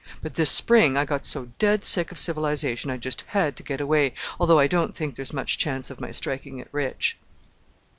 But this spring I got so dead sick of civilization I just had to get away, although I don't think there's much chance of my striking it rich."